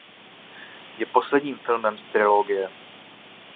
Je posledním filmem z trilogie.